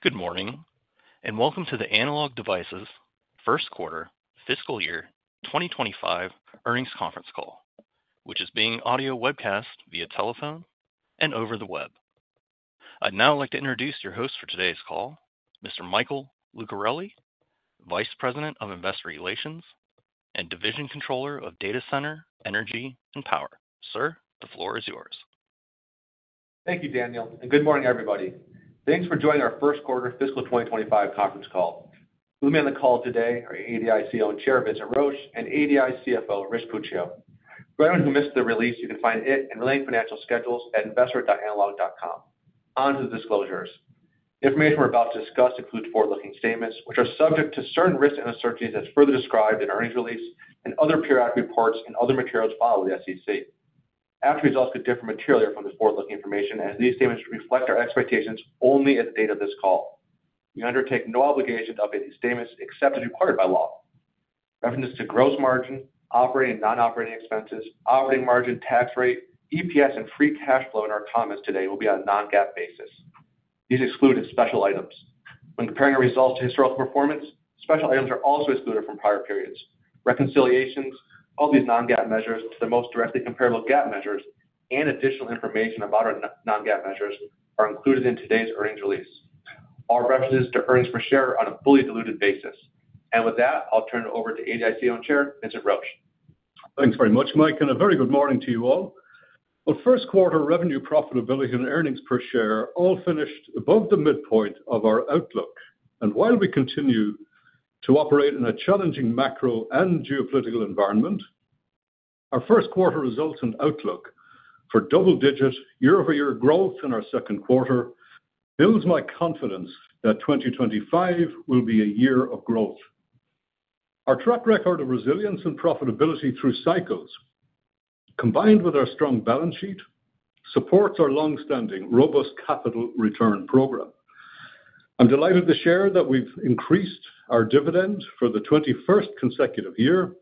Good morning, and welcome to the Analog Devices First Quarter Fiscal Year 2025 Earnings Conference Call, which is being audio webcast via telephone and over the web. I'd now like to introduce your host for today's call, Mr. Michael Lucarelli, Vice President of Investor Relations and Division Controller of Data Center, Energy, and Power. Sir, the floor is yours. Thank you, Daniel, and good morning, everybody. Thanks for joining our first quarter fiscal 2025 conference call. With me on the call today are ADI CEO and Chair Vincent Roche and ADI CFO Rich Puccio. For anyone who missed the release, you can find it and related financial schedules at investor.analog.com. On to the disclosures. The information we're about to discuss includes forward-looking statements, which are subject to certain risks and uncertainties as further described in earnings release and other periodic reports and other materials filed with the SEC. Actual results could differ materially from the forward-looking information, as these statements reflect our expectations only at the date of this call. We undertake no obligation to update these statements except as required by law. Reference to gross margin, operating and non-operating expenses, operating margin, tax rate, EPS, and free cash flow in our comments today will be on a non-GAAP basis. These exclude special items. When comparing our results to historical performance, special items are also excluded from prior periods. Reconciliations of all these non-GAAP measures to the most directly comparable GAAP measures, and additional information about our non-GAAP measures, are included in today's earnings release. All references to earnings per share are on a fully diluted basis. With that, I'll turn it over to ADI's CEO and Chair Vincent Roche. Thanks very much, Mike, and a very good morning to you all. First quarter revenue, profitability, and earnings per share all finished above the midpoint of our outlook. While we continue to operate in a challenging macro and geopolitical environment, our first quarter results and outlook for double-digit year-over-year growth in our second quarter builds my confidence that 2025 will be a year of growth. Our track record of resilience and profitability through cycles, combined with our strong balance sheet, supports our long-standing robust capital return program. I'm delighted to share that we've increased our dividend for the 21st consecutive year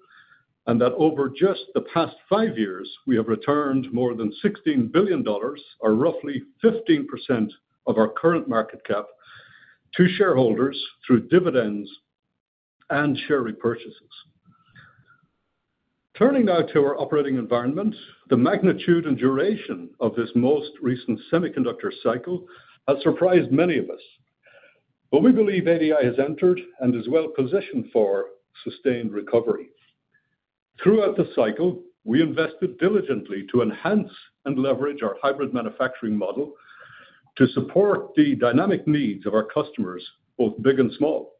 and that over just the past five years, we have returned more than $16 billion, or roughly 15% of our current market cap, to shareholders through dividends and share repurchases. Turning now to our operating environment, the magnitude and duration of this most recent semiconductor cycle has surprised many of us, but we believe ADI has entered and is well positioned for sustained recovery. Throughout the cycle, we invested diligently to enhance and leverage our hybrid manufacturing model to support the dynamic needs of our customers, both big and small.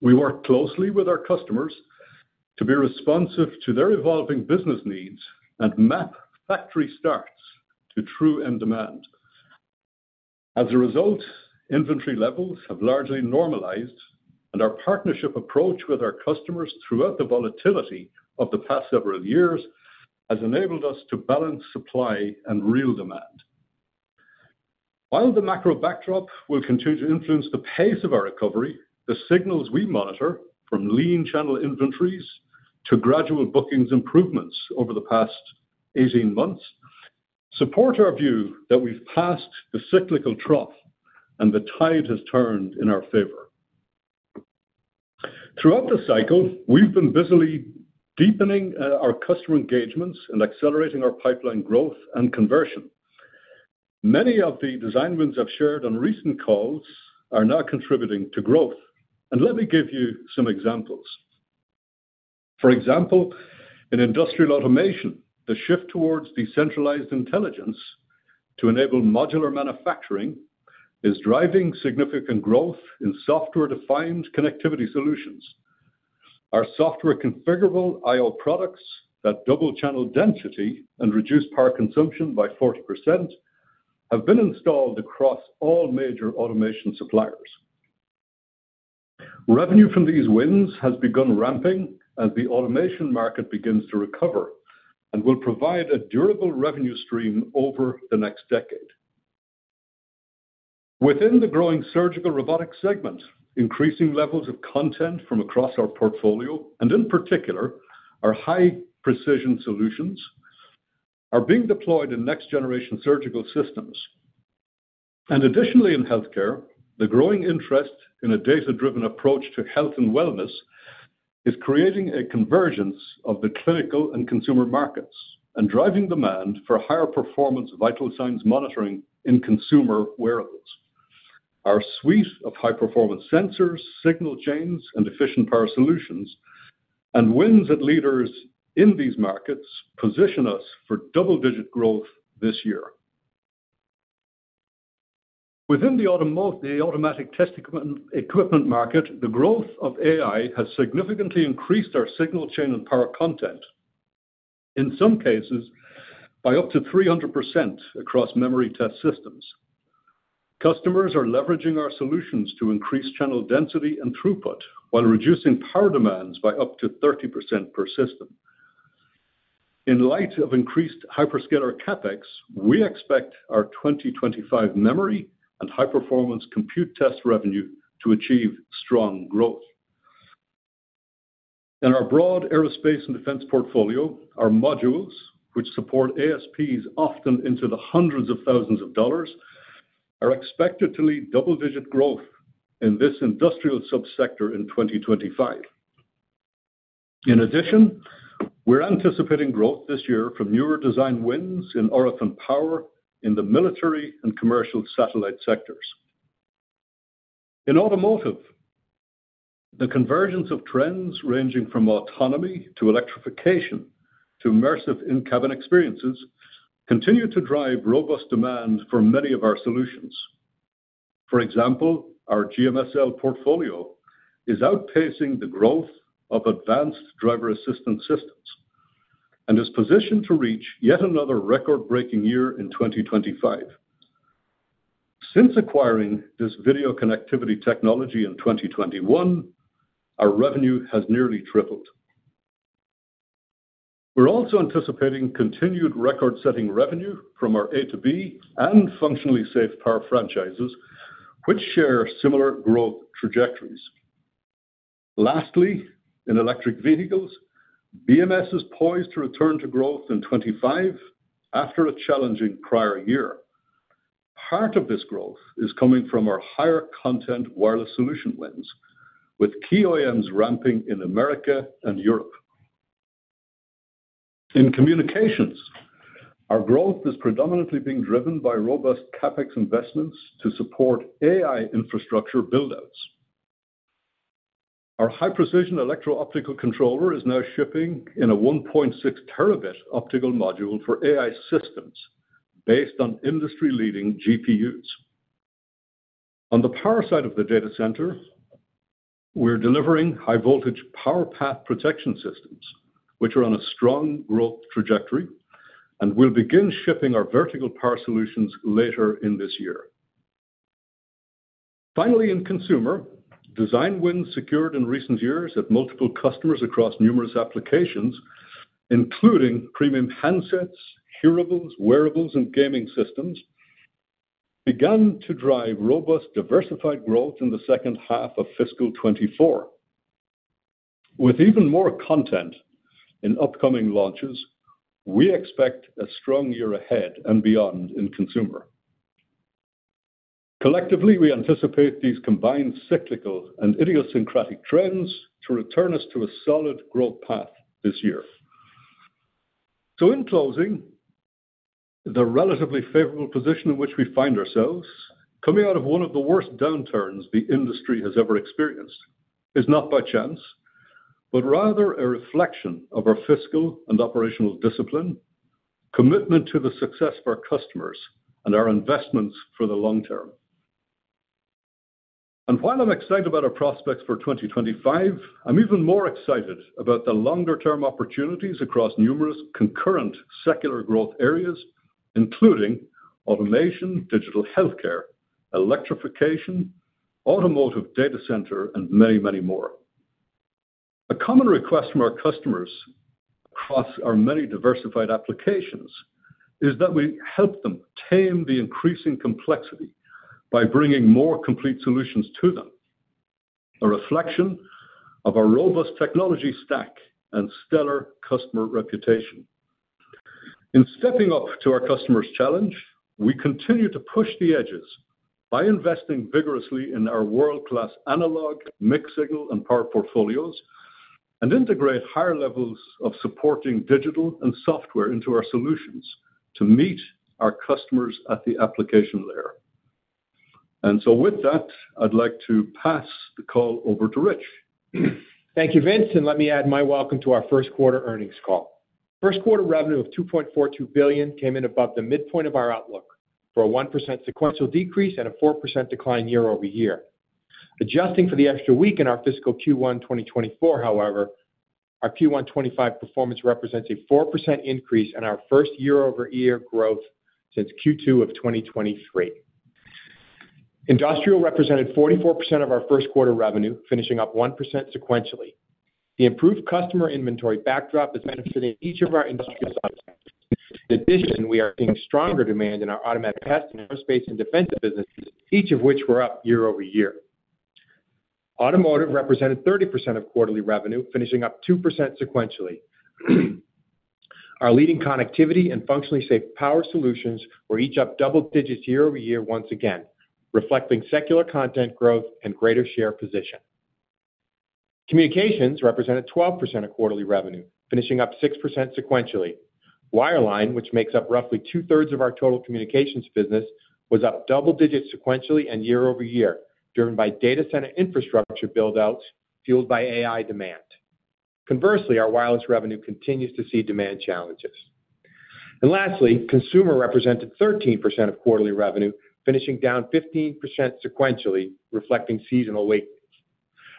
We work closely with our customers to be responsive to their evolving business needs and map factory starts to true end demand. As a result, inventory levels have largely normalized, and our partnership approach with our customers throughout the volatility of the past several years has enabled us to balance supply and real demand. While the macro backdrop will continue to influence the pace of our recovery, the signals we monitor, from lean channel inventories to gradual bookings improvements over the past 18 months, support our view that we've passed the cyclical trough and the tide has turned in our favor. Throughout the cycle, we've been busily deepening our customer engagements and accelerating our pipeline growth and conversion. Many of the design wins I've shared on recent calls are now contributing to growth. And let me give you some examples. For example, in industrial automation, the shift towards decentralized intelligence to enable modular manufacturing is driving significant growth in software-defined connectivity solutions. Our software configurable I/O products that double channel density and reduce power consumption by 40% have been installed across all major automation suppliers. Revenue from these wins has begun ramping as the automation market begins to recover and will provide a durable revenue stream over the next decade. Within the growing surgical robotics segment, increasing levels of content from across our portfolio, and in particular, our high-precision solutions, are being deployed in next-generation surgical systems, and additionally, in healthcare, the growing interest in a data-driven approach to health and wellness is creating a convergence of the clinical and consumer markets and driving demand for higher performance vital signs monitoring in consumer wearables. Our suite of high-performance sensors, signal chains, and efficient power solutions, and wins at leaders in these markets position us for double-digit growth this year. Within the automatic test equipment market, the growth of AI has significantly increased our signal chain and power content, in some cases by up to 300% across memory test systems. Customers are leveraging our solutions to increase channel density and throughput while reducing power demands by up to 30% per system. In light of increased hyperscaler CapEx, we expect our 2025 memory and high-performance compute test revenue to achieve strong growth. In our broad aerospace and defense portfolio, our modules, which support ASPs often into the hundreds of thousands of dollars, are expected to lead double-digit growth in this industrial subsector in 2025. In addition, we're anticipating growth this year from newer design wins in RF and power in the military and commercial satellite sectors. In automotive, the convergence of trends ranging from autonomy to electrification to immersive in-cabin experiences continue to drive robust demand for many of our solutions. For example, our GMSL portfolio is outpacing the growth of advanced driver assistance systems and is positioned to reach yet another record-breaking year in 2025. Since acquiring this video connectivity technology in 2021, our revenue has nearly tripled. We're also anticipating continued record-setting revenue from our A2B and functionally safe power franchises, which share similar growth trajectories. Lastly, in electric vehicles, BMS is poised to return to growth in 2025 after a challenging prior year. Part of this growth is coming from our higher content wireless solution wins, with key OEMs ramping in America and Europe. In communications, our growth is predominantly being driven by robust CapEx investments to support AI infrastructure buildouts. Our high-precision electro-optical controller is now shipping in a 1.6 Tb optical module for AI systems based on industry-leading GPUs. On the power side of the data center, we're delivering high-voltage power path protection systems, which are on a strong growth trajectory, and we'll begin shipping our vertical power solutions later in this year. Finally, in consumer, design wins secured in recent years at multiple customers across numerous applications, including premium handsets, hearables, wearables, and gaming systems, began to drive robust diversified growth in the second half of fiscal 2024. With even more content in upcoming launches, we expect a strong year ahead and beyond in consumer. Collectively, we anticipate these combined cyclical and idiosyncratic trends to return us to a solid growth path this year. In closing, the relatively favorable position in which we find ourselves, coming out of one of the worst downturns the industry has ever experienced, is not by chance, but rather a reflection of our fiscal and operational discipline, commitment to the success for our customers, and our investments for the long term. While I'm excited about our prospects for 2025, I'm even more excited about the longer-term opportunities across numerous concurrent secular growth areas, including automation, digital healthcare, electrification, automotive data center, and many, many more. A common request from our customers across our many diversified applications is that we help them tame the increasing complexity by bringing more complete solutions to them, a reflection of our robust technology stack and stellar customer reputation. In stepping up to our customers' challenge, we continue to push the edges by investing vigorously in our world-class analog, mixed signal, and power portfolios and integrate higher levels of supporting digital and software into our solutions to meet our customers at the application layer. So, with that, I'd like to pass the call over to Rich. Thank you, Vince. And let me add my welcome to our first quarter earnings call. First quarter revenue of $2.42 billion came in above the midpoint of our outlook for a 1% sequential decrease and a 4% decline year-over-year. Adjusting for the extra week in our fiscal Q1 2024, however, our Q1 2025 performance represents a 4% increase in our first year-over-year growth since Q2 of 2023. Industrial represented 44% of our first quarter revenue, finishing up 1% sequentially. The improved customer inventory backdrop has benefited each of our industrial subsectors. In addition, we are seeing stronger demand in our automatic test and aerospace and defense businesses, each of which were up year-over-year. Automotive represented 30% of quarterly revenue, finishing up 2% sequentially. Our leading connectivity and functionally safe power solutions were each up double digits year-over-year once again, reflecting secular content growth and greater share position. Communications represented 12% of quarterly revenue, finishing up 6% sequentially. Wireline, which makes up roughly 2/3 of our total communications business, was up double digits sequentially and year-over-year, driven by data center infrastructure buildouts fueled by AI demand. Conversely, our wireless revenue continues to see demand challenges. And lastly, consumer represented 13% of quarterly revenue, finishing down 15% sequentially, reflecting seasonal weight.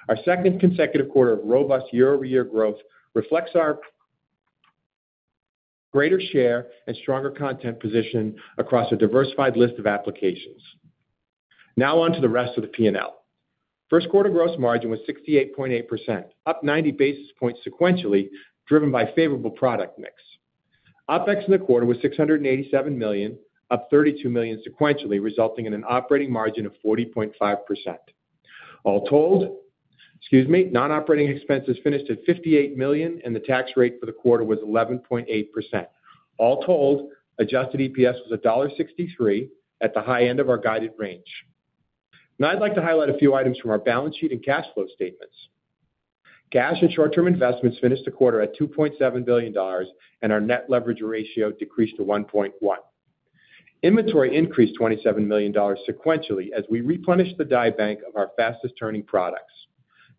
Our second consecutive quarter of robust year-over-year growth reflects our greater share and stronger content position across a diversified list of applications. Now on to the rest of the P&L. First quarter gross margin was 68.8%, up 90 basis points sequentially, driven by favorable product mix. OpEx in the quarter was $687 million, up $32 million sequentially, resulting in an operating margin of 40.5%. All told, excuse me, non-operating expenses finished at $58 million, and the tax rate for the quarter was 11.8%. All told, adjusted EPS was $1.63 at the high end of our guided range. Now, I'd like to highlight a few items from our balance sheet and cash flow statements. Cash and short-term investments finished the quarter at $2.7 billion, and our net leverage ratio decreased to 1.1. Inventory increased $27 million sequentially as we replenished the die bank of our fastest turning products.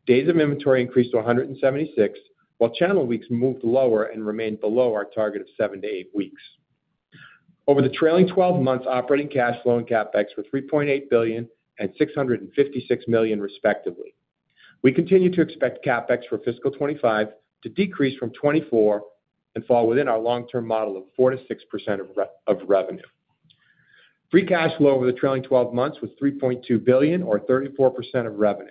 Days of inventory increased to 176, while channel weeks moved lower and remained below our target of seven to eight weeks. Over the trailing 12 months, operating cash flow and CapEx were $3.8 billion and $656 million, respectively. We continue to expect CapEx for fiscal 2025 to decrease from 2024 and fall within our long-term model of 4% to 6% of revenue. Free cash flow over the trailing 12 months was $3.2 billion, or 34% of revenue.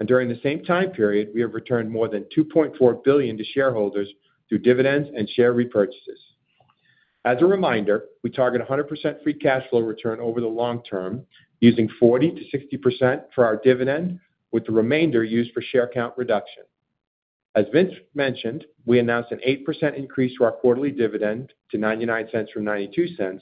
And during the same time period, we have returned more than $2.4 billion to shareholders through dividends and share repurchases. As a reminder, we target 100% free cash flow return over the long term, using 40% to 60% for our dividend, with the remainder used for share count reduction. As Vince mentioned, we announced an 8% increase to our quarterly dividend to $0.99 from $0.92.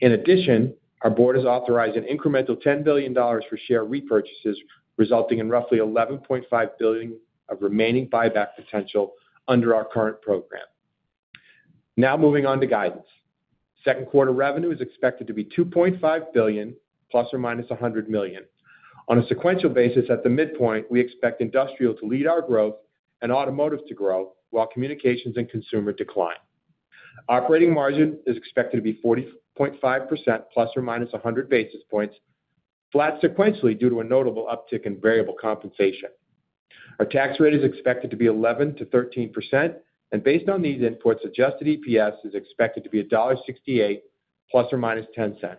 In addition, our board has authorized an incremental $10 billion for share repurchases, resulting in roughly $11.5 billion of remaining buyback potential under our current program. Now, moving on to guidance. Second quarter revenue is expected to be $2.5 billion, ± $100 million. On a sequential basis, at the midpoint, we expect industrial to lead our growth and automotive to grow, while communications and consumer decline. Operating margin is expected to be 40.5%, ±100 basis points, flat sequentially due to a notable uptick in variable compensation. Our tax rate is expected to be 11%-13%. Based on these inputs, adjusted EPS is expected to be $1.68, ± $0.10.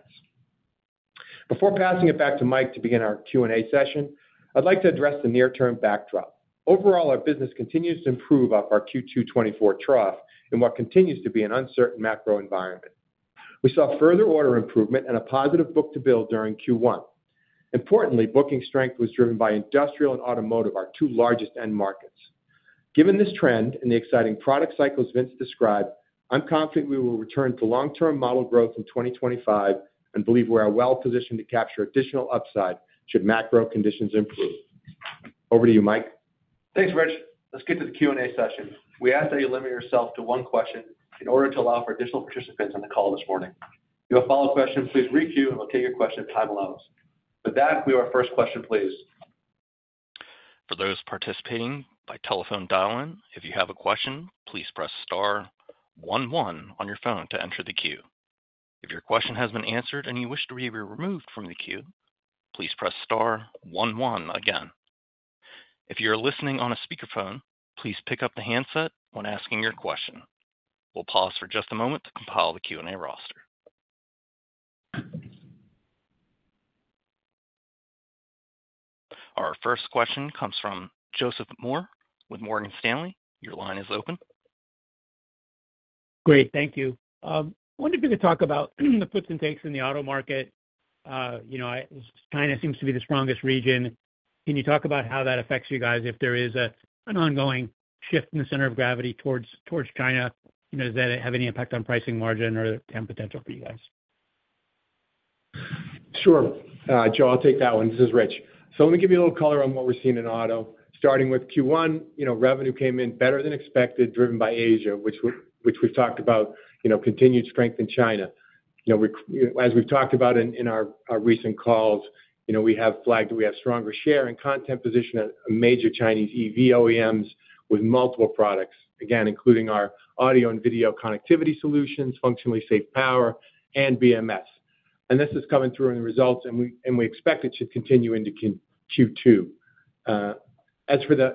Before passing it back to Mike to begin our Q&A session, I'd like to address the near-term backdrop. Overall, our business continues to improve off our Q2 2024 trough in what continues to be an uncertain macro environment. We saw further order improvement and a positive book-to-bill during Q1. Importantly, booking strength was driven by industrial and automotive, our two largest end markets. Given this trend and the exciting product cycles Vince described, I'm confident we will return to long-term model growth in 2025 and believe we're well positioned to capture additional upside should macro conditions improve. Over to you, Mike. Thanks, Rich. Let's get to the Q&A session. We ask that you limit yourself to one question in order to allow for additional participants on the call this morning. If you have a follow-up question, please requeue and we'll take your question if time allows. With that, we have our first question, please. For those participating by telephone dial-in, if you have a question, please press star one one on your phone to enter the queue. If your question has been answered and you wish to be removed from the queue, please press star one one again. If you're listening on a speakerphone, please pick up the handset when asking your question. We'll pause for just a moment to compile the Q&A roster. Our first question comes from Joseph Moore with Morgan Stanley. Your line is open. Great. Thank you. I wonder if you could talk about the flips and flops in the auto market. China seems to be the strongest region. Can you talk about how that affects you guys if there is an ongoing shift in the center of gravity towards China? Does that have any impact on pricing margin or potential for you guys? Sure. Joe, I'll take that one. This is Rich. So let me give you a little color on what we're seeing in auto. Starting with Q1, revenue came in better than expected, driven by Asia, which we've talked about, continued strength in China. As we've talked about in our recent calls, we have flagged that we have stronger share and content position at major Chinese EV OEMs with multiple products, again, including our audio and video connectivity solutions, functionally safe power, and BMS. And this is coming through in the results, and we expect it should continue into Q2. As for the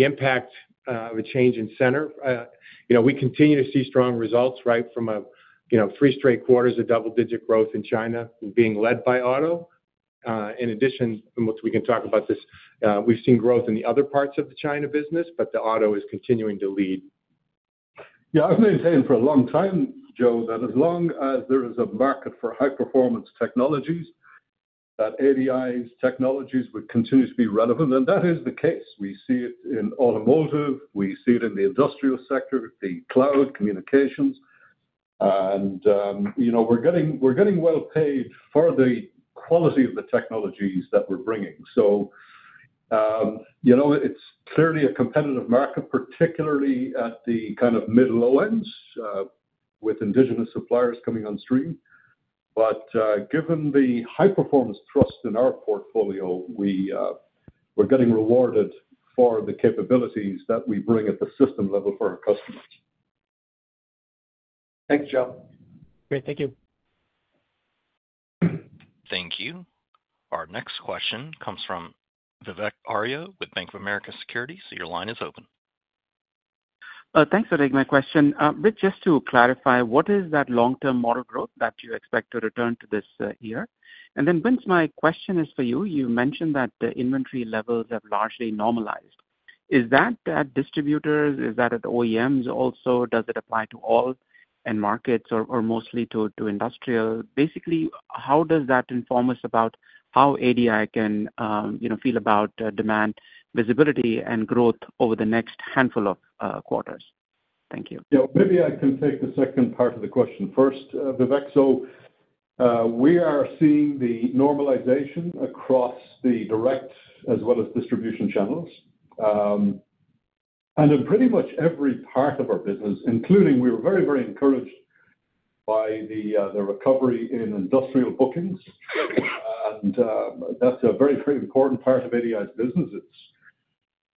impact of a change in sentiment, we continue to see strong results with three straight quarters of double-digit growth in China, led by auto. In addition, and we can talk about this, we've seen growth in the other parts of the China business, but the auto is continuing to lead. Yeah, I've been saying for a long time, Joe, that as long as there is a market for high-performance technologies, that ADI's technologies would continue to be relevant, and that is the case. We see it in automotive. We see it in the industrial sector, the cloud, communications, and we're getting well paid for the quality of the technologies that we're bringing. So it's clearly a competitive market, particularly at the kind of mid-low ends with indigenous suppliers coming on stream, but given the high-performance thrust in our portfolio, we're getting rewarded for the capabilities that we bring at the system level for our customers. Thanks, Joe. Great. Thank you. Thank you. Our next question comes from Vivek Arya with Bank of America Securities. Your line is open. Thanks for taking my question. Rich, just to clarify, what is that long-term model growth that you expect to return to this year? And then, Vince, my question is for you. You mentioned that the inventory levels have largely normalized. Is that at distributors? Is that at OEMs also? Does it apply to all end markets or mostly to industrial? Basically, how does that inform us about how ADI can feel about demand visibility and growth over the next handful of quarters? Thank you. Yeah, maybe I can take the second part of the question first, Vivek. So we are seeing the normalization across the direct as well as distribution channels. And in pretty much every part of our business, including we were very, very encouraged by the recovery in industrial bookings. And that's a very, very important part of ADI's business.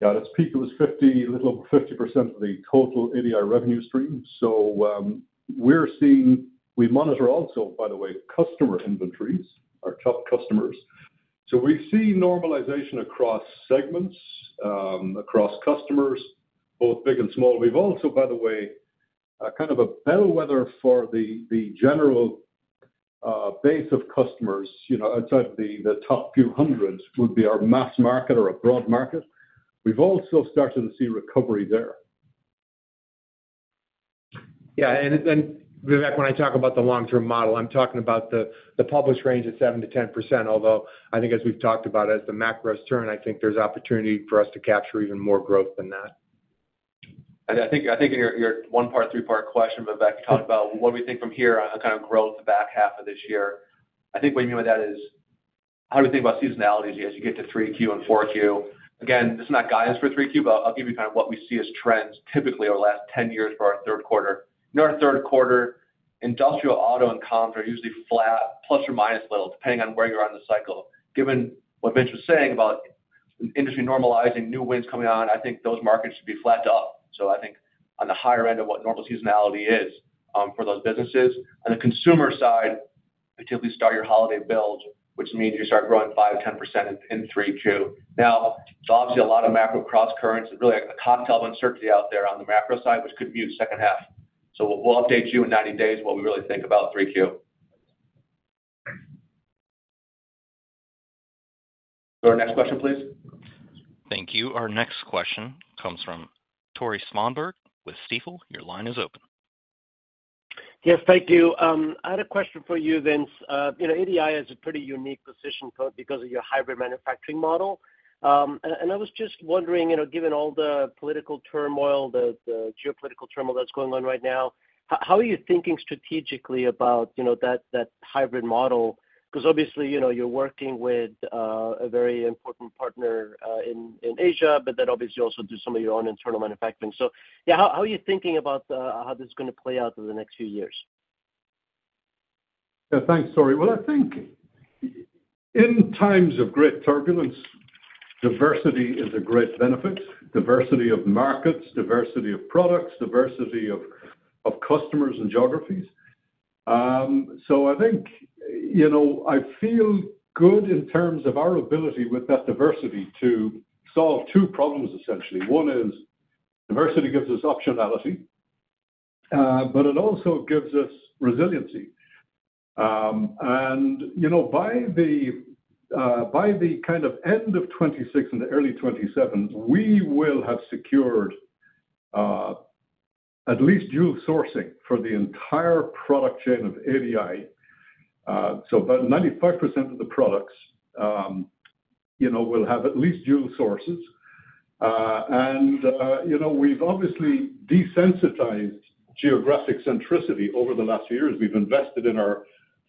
Yeah, at its peak, it was a little over 50% of the total ADI revenue stream. So we're seeing we monitor also, by the way, customer inventories, our top customers. So we see normalization across segments, across customers, both big and small. We've also, by the way, kind of a bellwether for the general base of customers outside of the top few hundreds would be our mass market or a broad market. We've also started to see recovery there. Yeah. And Vivek, when I talk about the long-term model, I'm talking about the published range of 7%-10%, although I think as we've talked about, as the macros turn, I think there's opportunity for us to capture even more growth than that. And I think in your one-part, three-part question, Vivek, you talked about what do we think from here on kind of growth the back half of this year. I think what you mean by that is how do we think about seasonality as you get to 3Q and 4Q? Again, this is not guidance for 3Q, but I'll give you kind of what we see as trends typically over the last 10 years for our third quarter. In our third quarter, industrial, auto, and comms are usually flat, plus or minus a little, depending on where you're on the cycle. Given what Vince was saying about industry normalizing, new winds coming on, I think those markets should be flat up. So I think on the higher end of what normal seasonality is for those businesses. On the consumer side, typically start your holiday build, which means you start growing 5%-10% in 3Q. Now, there's obviously a lot of macro crosscurrents, really a cocktail of uncertainty out there on the macro side, which could mute the second half. So we'll update you in 90 days what we really think about 3Q. Go to our next question, please. Thank you. Our next question comes from Tore Svanberg with Stifel. Your line is open. Yes, thank you. I had a question for you, Vince. ADI has a pretty unique position because of your hybrid manufacturing model. And I was just wondering, given all the political turmoil, the geopolitical turmoil that's going on right now, how are you thinking strategically about that hybrid model? Because obviously, you're working with a very important partner in Asia, but then obviously you also do some of your own internal manufacturing. So yeah, how are you thinking about how this is going to play out in the next few years? Yeah, thanks, Tore. I think in times of great turbulence, diversity is a great benefit. Diversity of markets, diversity of products, diversity of customers and geographies. So I think I feel good in terms of our ability with that diversity to solve two problems, essentially. One is diversity gives us optionality, but it also gives us resiliency. And by the kind of end of 2026 and the early 2027, we will have secured at least dual sourcing for the entire product chain of ADI. So about 95% of the products will have at least dual sources. And we've obviously desensitized geographic centricity over the last few years. We've invested in our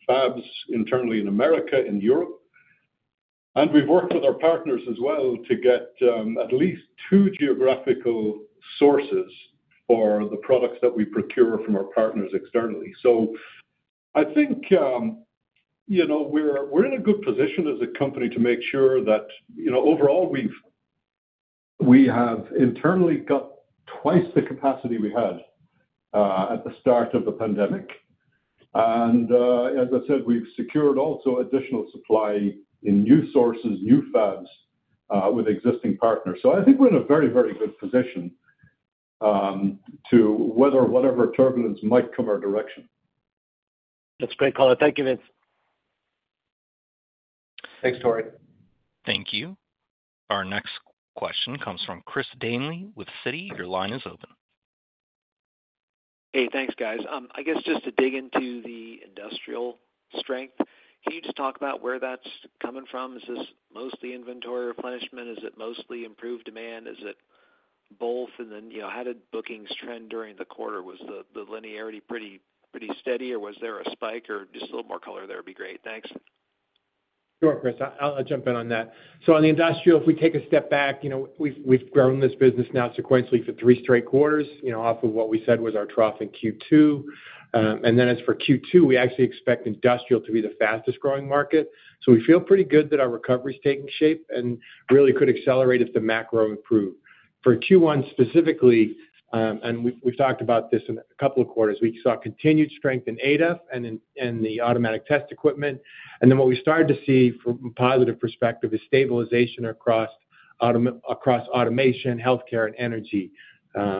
fabs internally in America, in Europe. And we've worked with our partners as well to get at least two geographical sources for the products that we procure from our partners externally. So I think we're in a good position as a company to make sure that overall we have internally got twice the capacity we had at the start of the pandemic. And as I said, we've secured also additional supply in new sources, new fabs with existing partners. So I think we're in a very, very good position to weather whatever turbulence might come our direction. That's great color. Thank you, Vince. Thanks, Tore. Thank you. Our next question comes from Chris Danely with Citi. Your line is open. Hey, thanks, guys. I guess just to dig into the industrial strength, can you just talk about where that's coming from? Is this mostly inventory replenishment? Is it mostly improved demand? Is it both? And then how did bookings trend during the quarter? Was the linearity pretty steady, or was there a spike? Or just a little more color there would be great. Thanks. Sure, Chris. I'll jump in on that. So on the industrial, if we take a step back, we've grown this business now sequentially for three straight quarters off of what we said was our trough in Q2. And then as for Q2, we actually expect industrial to be the fastest growing market. So we feel pretty good that our recovery is taking shape and really could accelerate if the macro improved. For Q1 specifically, and we've talked about this in a couple of quarters, we saw continued strength in A&D and the automatic test equipment. And then what we started to see from a positive perspective is stabilization across automation, healthcare, and energy,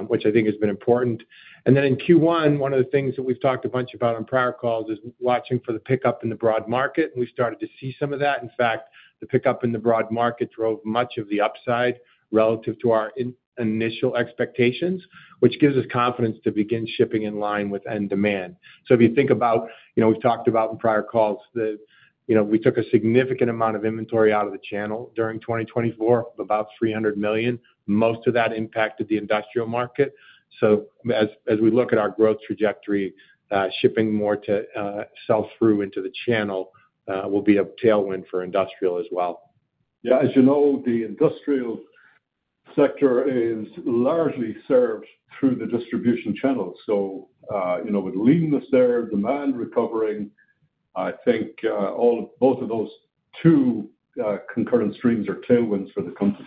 which I think has been important. And then in Q1, one of the things that we've talked a bunch about on prior calls is watching for the pickup in the broad market. We started to see some of that. In fact, the pickup in the broad market drove much of the upside relative to our initial expectations, which gives us confidence to begin shipping in line with end demand. If you think about we've talked about in prior calls, we took a significant amount of inventory out of the channel during 2024 of about $300 million. Most of that impacted the industrial market. As we look at our growth trajectory, shipping more to sell through into the channel will be a tailwind for industrial as well. Yeah. As you know, the industrial sector is largely served through the distribution channels. So with lean to serve, demand recovering, I think both of those two concurrent streams are tailwinds for the company.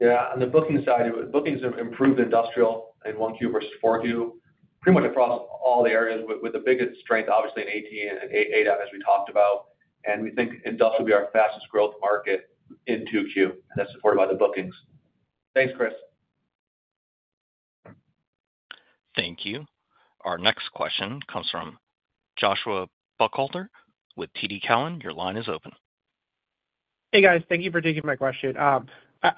Yeah. On the booking side, bookings have improved Industrial in 1Q versus 4Q, pretty much across all the areas with the biggest strength, obviously, in ATE and A&D, as we talked about. And we think Industrial will be our fastest growth market in 2Q, and that's supported by the bookings. Thanks, Chris. Thank you. Our next question comes from Joshua Buchalter with TD Cowen. Your line is open. Hey, guys. Thank you for taking my question. I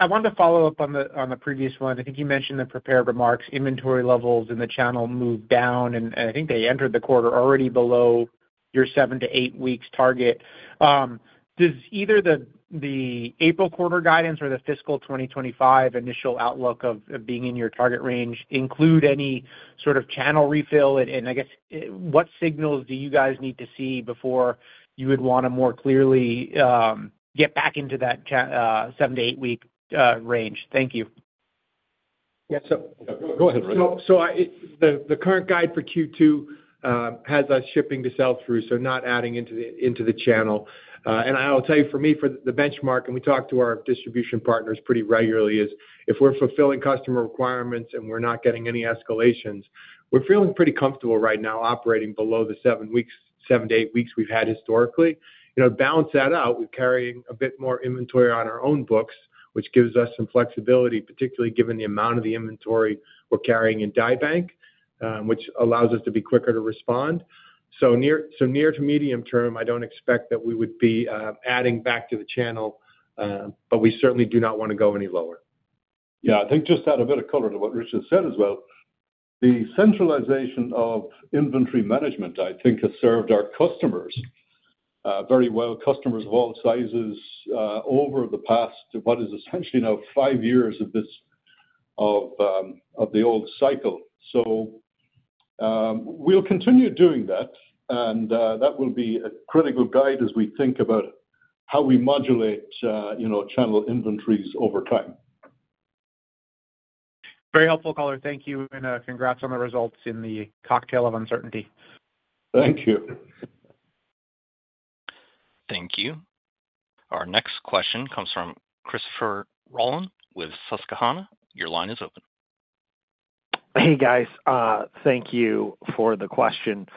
wanted to follow up on the previous one. I think you mentioned the prepared remarks. Inventory levels in the channel moved down, and I think they entered the quarter already below your seven to eight weeks target. Does either the April quarter guidance or the fiscal 2025 initial outlook of being in your target range include any sort of channel refill? And I guess, what signals do you guys need to see before you would want to more clearly get back into that seven to eight-week range? Thank you. Yeah. So go ahead, Rich. So the current guide for Q2 has us shipping to sell-through, so not adding into the channel. And I'll tell you, for me, for the benchmark, and we talk to our distribution partners pretty regularly, is if we're fulfilling customer requirements and we're not getting any escalations, we're feeling pretty comfortable right now operating below the seven to eight weeks we've had historically. To balance that out, we're carrying a bit more inventory on our own books, which gives us some flexibility, particularly given the amount of the inventory we're carrying in die bank, which allows us to be quicker to respond. So near to medium term, I don't expect that we would be adding back to the channel, but we certainly do not want to go any lower. Yeah. I think just to add a bit of color to what Richard said as well, the centralization of inventory management, I think, has served our customers very well, customers of all sizes, over the past, what is essentially now five years of the old cycle. So we'll continue doing that, and that will be a critical guide as we think about how we modulate channel inventories over time. Very helpful color. Thank you and congrats on the results in the cocktail of uncertainty. Thank you. Thank you. Our next question comes from Christopher Rolland with Susquehanna. Your line is open. Hey, guys. Thank you for the question.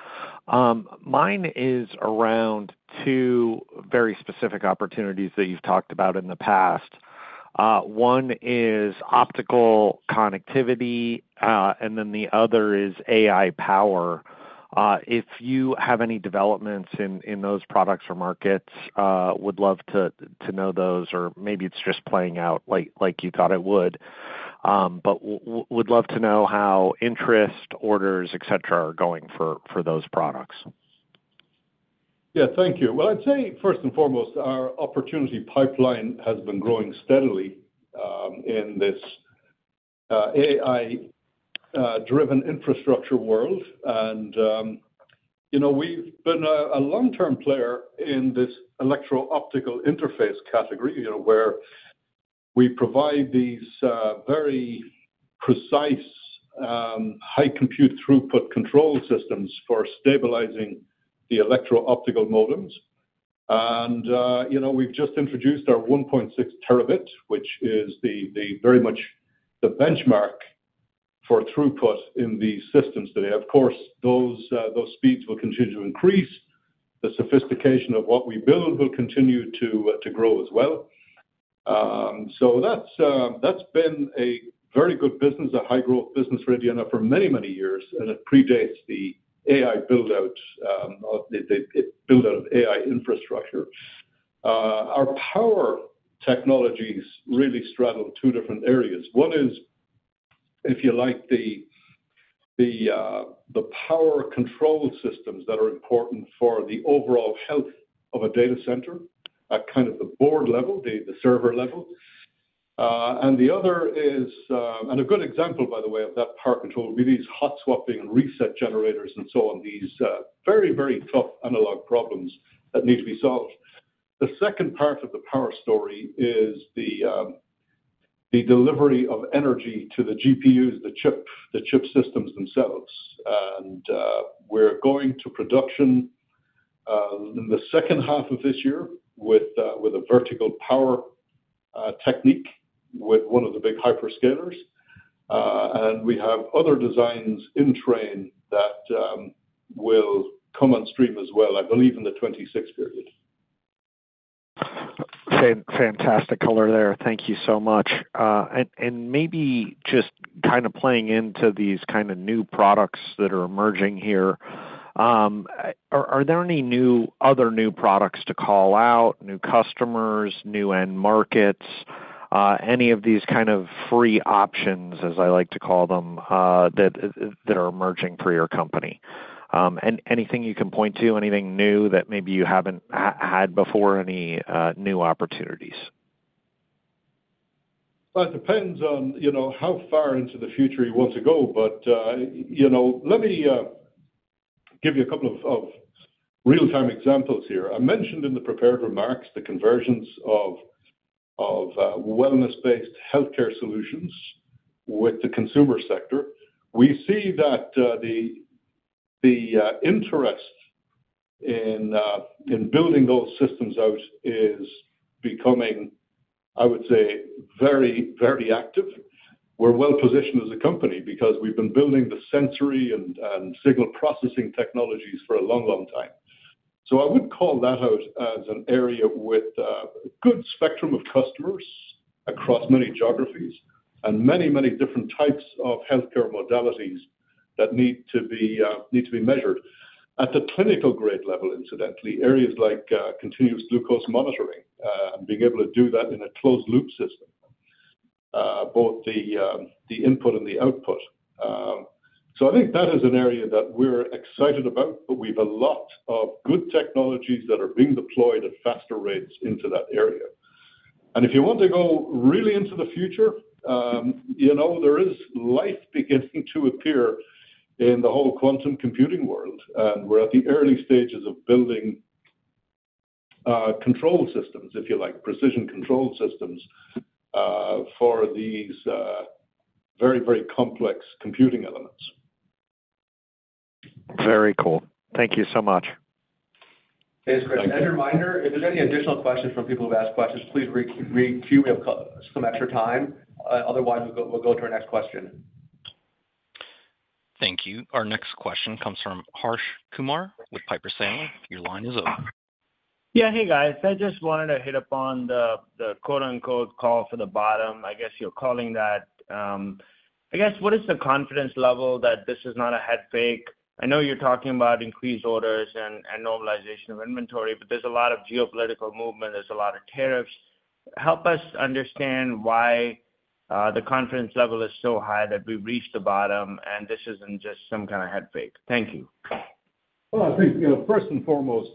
Mine is around two very specific opportunities that you've talked about in the past. One is optical connectivity, and then the other is AI power. If you have any developments in those products or markets, would love to know those, or maybe it's just playing out like you thought it would. But would love to know how interest, orders, etc., are going for those products. Yeah. Thank you. Well, I'd say, first and foremost, our opportunity pipeline has been growing steadily in this AI-driven infrastructure world. And we've been a long-term player in this electro-optical interface category where we provide these very precise high-compute throughput control systems for stabilizing the electro-optical modules. And we've just introduced our 1.6 Tb, which is very much the benchmark for throughput in the systems today. Of course, those speeds will continue to increase. The sophistication of what we build will continue to grow as well. So that's been a very good business, a high-growth business for many, many years, and it predates the AI build-out of AI infrastructure. Our power technologies really straddle two different areas. One is, if you like, the power control systems that are important for the overall health of a data center at kind of the board level, the server level. And the other is, and a good example, by the way, of that power control would be these hot-swapping reset generators and so on, these very, very tough analog problems that need to be solved. The second part of the power story is the delivery of energy to the GPUs, the chip systems themselves. And we're going to production in the second half of this year with a vertical power technique with one of the big hyperscalers. And we have other designs in train that will come on stream as well, I believe, in the 2026 period. Fantastic color there. Thank you so much, and maybe just kind of playing into these kind of new products that are emerging here, are there any other new products to call out, new customers, new end markets, any of these kind of free options, as I like to call them, that are emerging for your company? Anything you can point to, anything new that maybe you haven't had before, any new opportunities? It depends on how far into the future you want to go. Let me give you a couple of real-time examples here. I mentioned in the prepared remarks the conversions of wellness-based healthcare solutions with the consumer sector. We see that the interest in building those systems out is becoming, I would say, very, very active. We're well-positioned as a company because we've been building the sensory and signal processing technologies for a long, long time. I would call that out as an area with a good spectrum of customers across many geographies and many, many different types of healthcare modalities that need to be measured. At the clinical grade level, incidentally, areas like continuous glucose monitoring and being able to do that in a closed-loop system, both the input and the output. So I think that is an area that we're excited about, but we have a lot of good technologies that are being deployed at faster rates into that area. And if you want to go really into the future, there is life beginning to appear in the whole quantum computing world. And we're at the early stages of building control systems, if you like, precision control systems for these very, very complex computing elements. Very cool. Thank you so much. Thanks, Chris. And a reminder, if there's any additional questions from people who've asked questions, please review. We have some extra time. Otherwise, we'll go to our next question. Thank you. Our next question comes from Harsh Kumar with Piper Sandler. Your line is open. Yeah. Hey, guys. I just wanted to hit upon the quote-unquote "call for the bottom." I guess you're calling that. I guess, what is the confidence level that this is not a head fake? I know you're talking about increased orders and normalization of inventory, but there's a lot of geopolitical movement. There's a lot of tariffs. Help us understand why the confidence level is so high that we've reached the bottom and this isn't just some kind of head fake. Thank you. I think first and foremost,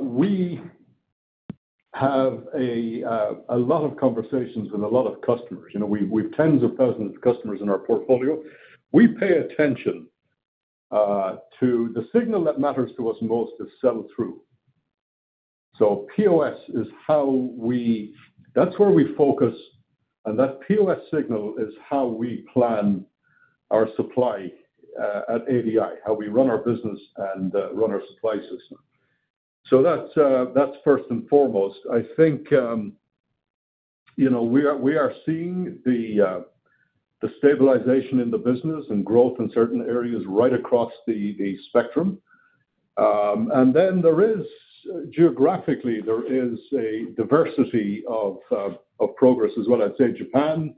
we have a lot of conversations with a lot of customers. We have tens of thousands of customers in our portfolio. We pay attention to the signal that matters to us most is sell-through. POS is how we, that's where we focus, and that POS signal is how we plan our supply at ADI, how we run our business and run our supply system. That's first and foremost. I think we are seeing the stabilization in the business and growth in certain areas right across the spectrum. Geographically, there is a diversity of progress as well. I'd say Japan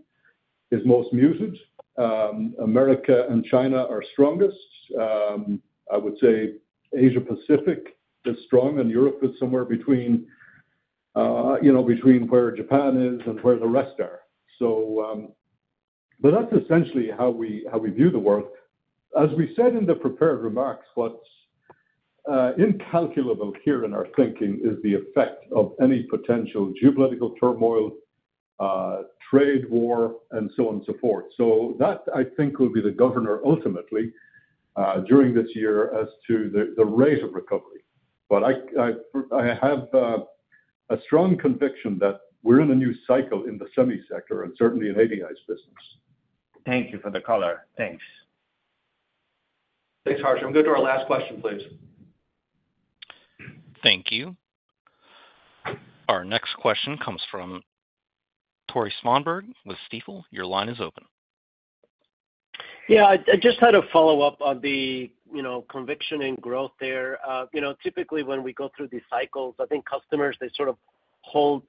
is most muted. America and China are strongest. I would say Asia-Pacific is strong, and Europe is somewhere between where Japan is and where the rest are. That's essentially how we view the world. As we said in the prepared remarks, what's incalculable here in our thinking is the effect of any potential geopolitical turmoil, trade war, and so on and so forth. So that, I think, will be the governor ultimately during this year as to the rate of recovery. But I have a strong conviction that we're in a new cycle in the semi-sector and certainly in ADI's business. Thank you for the color. Thanks. Thanks, Harsh. I'm going to our last question, please. Thank you. Our next question comes from Tore Svanberg with Stifel. Your line is open. Yeah. I just had a follow-up on the conviction in growth there. Typically, when we go through these cycles, I think customers, they sort of hold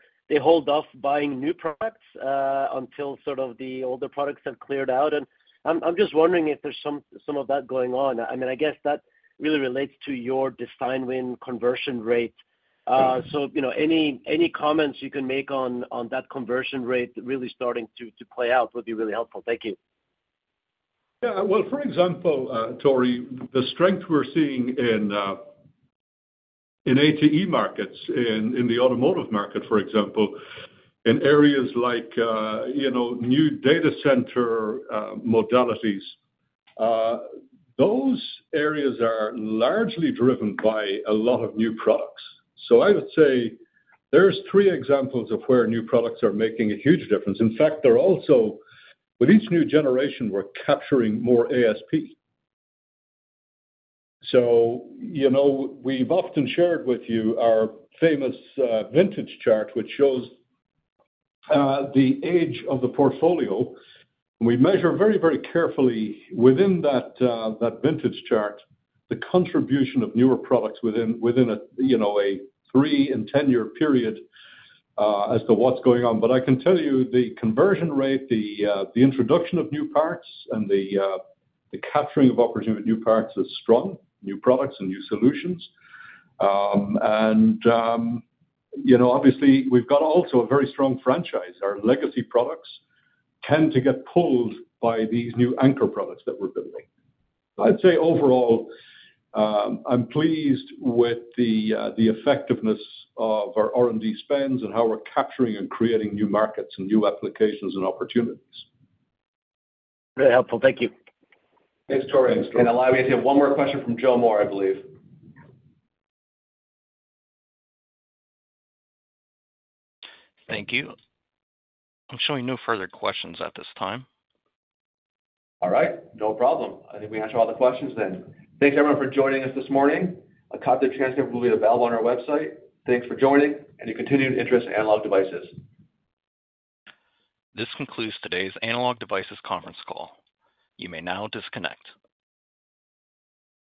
off buying new products until sort of the older products have cleared out. And I'm just wondering if there's some of that going on. I mean, I guess that really relates to your design win conversion rate. So any comments you can make on that conversion rate really starting to play out would be really helpful. Thank you. Yeah. Well, for example, Tore, the strength we're seeing in ATE markets, in the automotive market, for example, in areas like new data center modalities, those areas are largely driven by a lot of new products. So I would say there's three examples of where new products are making a huge difference. In fact, with each new generation, we're capturing more ASP. So we've often shared with you our famous vintage chart, which shows the age of the portfolio. We measure very, very carefully within that vintage chart the contribution of newer products within a three and ten-year period as to what's going on. But I can tell you the conversion rate, the introduction of new parts, and the capturing of opportunity with new parts is strong, new products and new solutions. And obviously, we've got also a very strong franchise. Our legacy products tend to get pulled by these new anchor products that we're building. I'd say overall, I'm pleased with the effectiveness of our R&D spends and how we're capturing and creating new markets and new applications and opportunities. Very helpful. Thank you. Thanks, Tore. Can allow me to have one more question from Joe Moore, I believe. Thank you. I'm showing no further questions at this time. All right. No problem. I think we answered all the questions then. Thanks, everyone, for joining us this morning. A copy of the transcript will be available on our website. Thanks for joining, and thank you for your continued interest in Analog Devices. This concludes today's Analog Devices conference call. You may now disconnect.